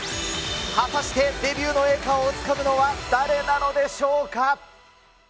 果たしてデビューの栄冠をつかむのは、誰なのでしょうか。